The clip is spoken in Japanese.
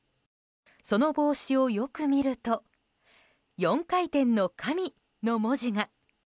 その帽子をよく見ると「４回転の神」の文字が。